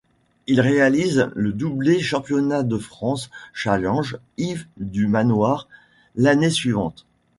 Il réalise le doublé championnat de France-challenge Yves du Manoir l'année suivante.